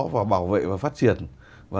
và bảo vệ và phát triển và